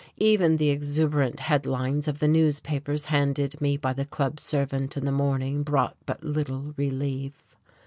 Even the exuberant headlines of the newspapers handed me by the club servant in the morning brought but little relief.